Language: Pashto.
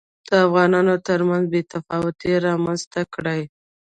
دافغانانوترمنځ بې اتفاقي رامنځته کړي